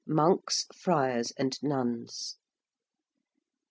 MONKS, FRIARS, AND NUNS.